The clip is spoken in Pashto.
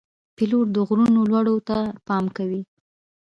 پیلوټ د غرونو لوړو ته پام کوي.